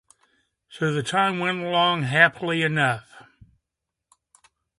So the time went along happily enough.